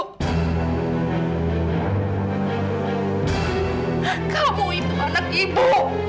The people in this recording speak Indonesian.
kamu itu anak ibu